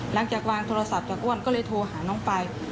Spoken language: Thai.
หลังจากวางโทรศัพท์จากอ้วนก็เลยโทรหาน้องไป